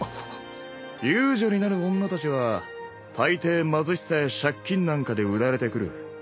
遊女になる女たちはたいてい貧しさや借金なんかで売られてくる。